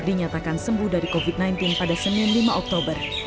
dinyatakan sembuh dari covid sembilan belas pada senin lima oktober